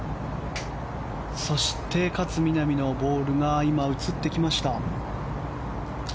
そして、勝みなみのボールが映ってきました。